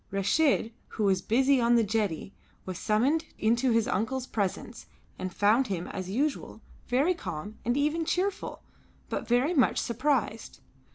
Reshid, who was busy on the jetty, was summoned into his uncle's presence and found him, as usual, very calm and even cheerful, but very much surprised.